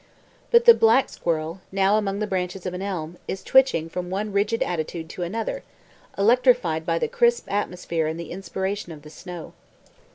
But the black squirrel, now among the branches of an elm, is twitching from one rigid attitude to another, electrified by the crisp atmosphere and the inspiration of the snow.